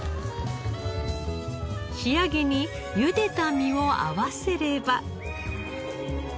仕上げにゆでた身を合わせれば。